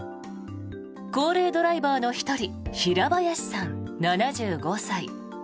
高齢ドライバーの１人平林さん、７５歳。